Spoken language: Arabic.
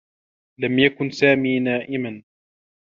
لم يكن سامي نائما.